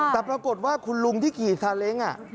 แต่ปรากฏว่าคุณลุงที่ขี่ซาเล้ง